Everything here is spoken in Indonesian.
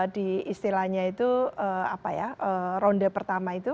di istilahnya itu apa ya ronde pertama itu